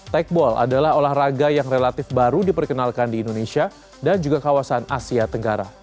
tekball adalah olahraga yang relatif baru diperkenalkan di indonesia dan juga kawasan asia tenggara